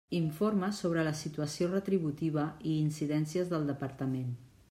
Informa sobre la situació retributiva i incidències del Departament.